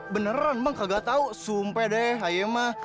beneran bang gak tau sumpah deh ayo mah